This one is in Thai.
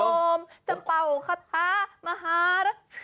โอจะเปาขทามหาร